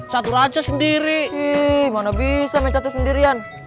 catur aja sendiri ih mana bisa main catur sendirian